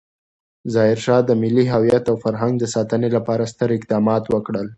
ظاهرشاه د ملي هویت او فرهنګ د ساتنې لپاره ستر اقدامات وکړل.